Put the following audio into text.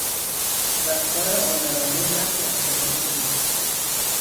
رفتار آمرانهی برخی افسران پلیس